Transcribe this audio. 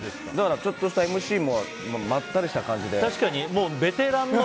ちょっとしたＭＣもまったりした感じで。